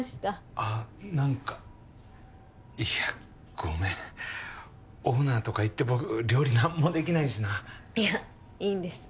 あっ何かいやごめんオーナーとかいって僕料理何もできないしないやいいんです